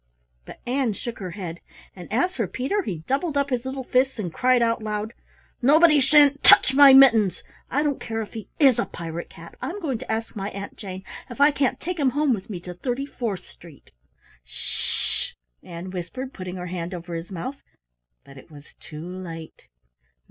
But Ann shook her head, and as for Peter he doubled up his little fists and cried out loud: "Nobody sha'n't touch my Mittens! I don't care if he is a pirate cat. I'm going to ask my Aunt Jane if I can't take him home with me to Thirty fourth Street!" "Sh sh!" Ann whispered, putting her hand over his mouth, but it was too late!